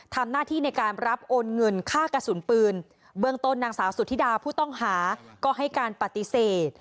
ทำหน้าที่ในการรับโอนเงินค่ากระสุนปืนเบื้องต้นนางสาวสุธิดาผู้ต้องหาก็ให้การปฏิเสธ